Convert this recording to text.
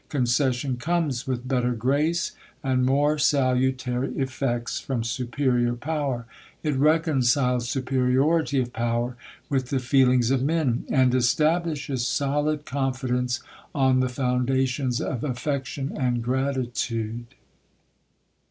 Concession comes with bet ter grace, and more salutary eflects from superior pow er ; it reconciles superiority of power wdth the feelings of men ; and establishes solid confidence on the founda tions of atfection and gratitude.